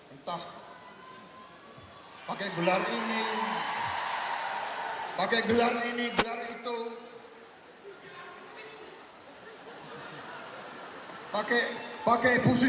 entah pakai gelar ini pakai gelar ini gelar itu